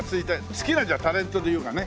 好きなタレントで言うかね。